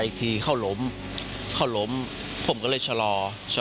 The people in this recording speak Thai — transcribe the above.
รถแสงทางหน้า